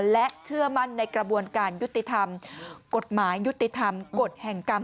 และเชื่อมั่นในกระบวนการยุติธรรมกฎหมายยุติธรรมกฎแห่งกรรม